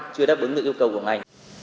chưa đáp ứng được yêu cầu của ngành